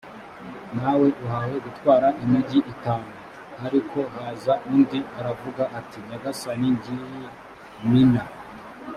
nawe uhawe gutwara imigi itanu h ariko haza undi aravuga ati nyagasani ngiyi mina